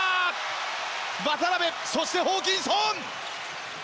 渡邊、そしてホーキンソン！